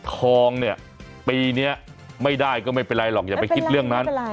ทองเนี่ยปีนี้ไม่ได้ก็ไม่เป็นไรหรอกอย่าไปคิดเรื่องนั้น